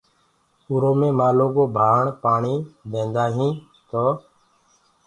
اُرو مين مآلو ڪو ڀآڻ پآڻي ديندآ هين تو